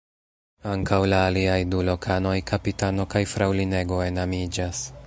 Ankaŭ la aliaj du lokanoj (kapitano kaj fraŭlinego) enamiĝas.